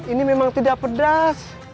ini memang tidak pedas